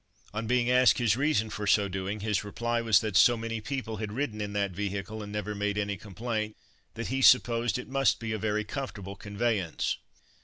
On being asked his reason for so doing, his reply was that "so many people had ridden in that vehicle and never made any complaint, that he supposed it must be a very comfortable conveyance."